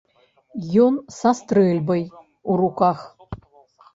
Ён са стрэльбай у руках.